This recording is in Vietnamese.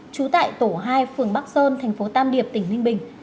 chú tại tổ hai phường bắc sơn tp tam điệp tỉnh ninh bình